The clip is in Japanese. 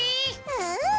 うん！